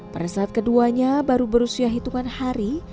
pada saat keduanya baru berusia hitungan hari